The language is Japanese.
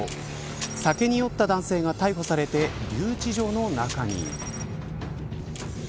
酒に酔った男性が逮捕されて留置場の中に。